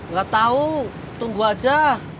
gak tau tunggu aja